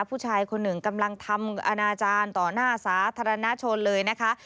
ผู้ชายคนหนึ่งกำลังทำอนาจารย์ต่อหน้าสาธารณชนเลยนะคะ